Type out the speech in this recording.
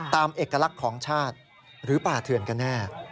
เอกลักษณ์ของชาติหรือป่าเถื่อนกันแน่